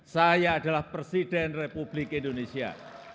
saya adalah presiden republik indonesia